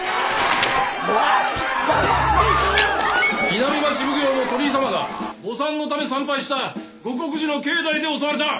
南町奉行の鳥居様が墓参のため参拝した護国寺の境内で襲われた。